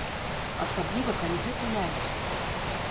Асабліва, калі гэта лялькі.